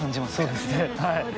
そうですね。